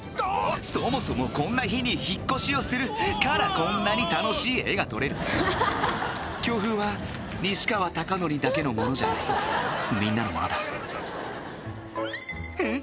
そもそもこんな日に引っ越しをするからこんなに楽しい画が撮れる強風は西川貴教だけのものじゃないみんなのものだえっ